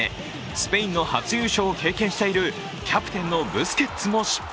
スペインの初優勝を経験しているキャプテンのブスケツも失敗。